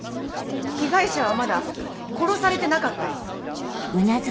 被害者はまだ殺されてなかった。